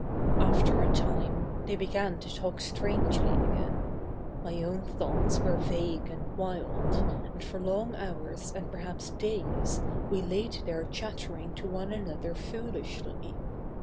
After a time they began to talk strangely again. My own thoughts were vague and wild, and for long hours and perhaps days we laid there chattering to one another foolishly.